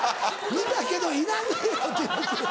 見たけどいらねえよっていうことやろ？